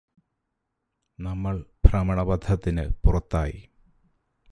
നമ്മള് ഭ്രമണപഥത്തിന് പുറത്തായി